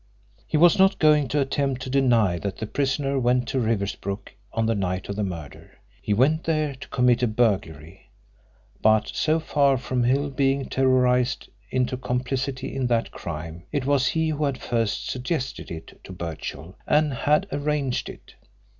He was not going to attempt to deny that the prisoner went to Riversbrook on the night of the murder. He went there to commit a burglary. But so far from Hill being terrorised into complicity in that crime it was he who had first suggested it to Birchill and had arranged it.